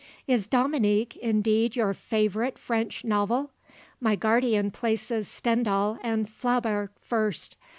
Is 'Dominique' indeed your favourite French novel? My guardian places Stendahl and Flaubert first.